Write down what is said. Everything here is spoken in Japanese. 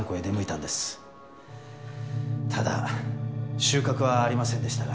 ただ収穫はありませんでしたが。